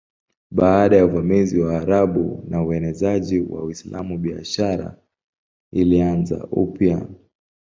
Baada ya uvamizi wa Waarabu na uenezaji wa Uislamu biashara ilianza upya.